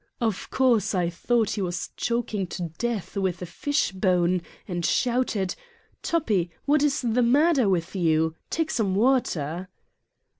Of course, I thought he was chok ing to death with a fishbone and shouted :" Toppi! What is the matter with you? Take some water."